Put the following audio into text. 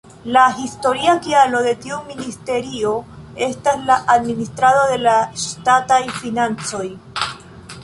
La historia kialo de tiu ministerio estas la administrado de la ŝtataj financoj.